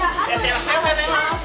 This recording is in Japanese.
おはようございます！